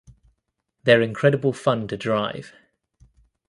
They're incredible fun to drive.